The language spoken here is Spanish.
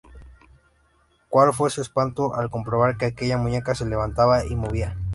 Cual fue su espanto al comprobar que aquella muñeca se levantaba y movía.